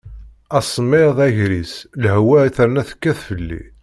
Asemmiḍ, agris, lehwa terna tekkat fell-i.